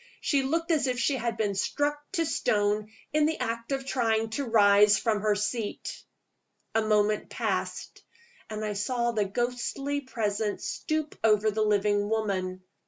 She looked as if she had been struck to stone in the act of trying to rise from her seat. A moment passed and I saw the ghostly Presence stoop over the living woman.